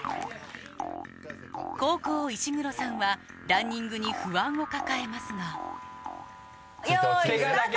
後攻石黒さんはランニングに不安を抱えますがよいスタート！